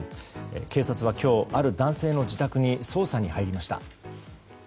警察は今日、ある男性の自宅に捜査に入りました。